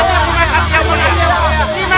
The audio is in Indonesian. hidup yang mulia